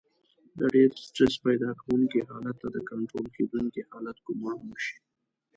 د ډېر سټرس پيدا کوونکي حالت ته د کنټرول کېدونکي حالت ګمان وشي.